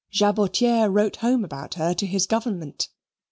Jabotiere wrote home about her to his government.